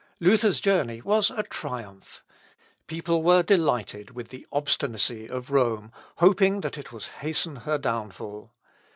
Luther's journey was a triumph. People were delighted with the obstinacy of Rome, hoping that it would hasten her downfall.